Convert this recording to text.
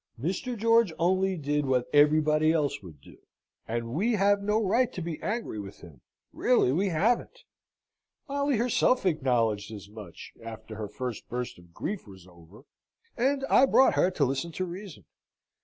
Mr. George only did what everybody else would do; and we have no right to be angry with him, really we haven't. Molly herself acknowledged as much, after her first burst of grief was over, and I brought her to listen to reason.